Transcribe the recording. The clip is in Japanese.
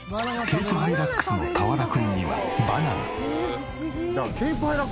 ケープハイラックスのたわら君にはバナナ。